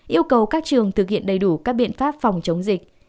yêu cầu các trường thực hiện đầy đủ các biện pháp phòng chống dịch